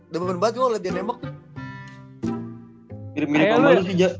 demen banget kok kalo dia nembok tuh